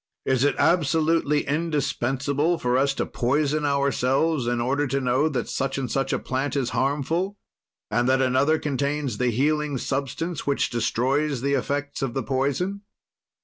"Is it absolutely indispensable for us to poison ourselves in order to know that such and such a plant is harmful and that another contains the healing substance which destroys the effects of the poison?